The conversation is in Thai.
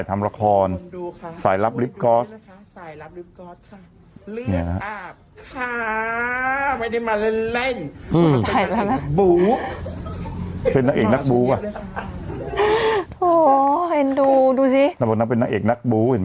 อู้จักแซนชัดเจนกัน